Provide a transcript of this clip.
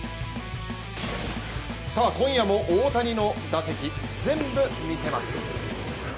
今夜も大谷の打席、全部見せます！